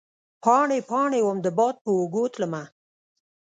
پاڼې ، پا ڼې وم د باد په اوږو تلمه